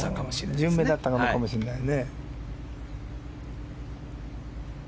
順目だったのかもしれないね。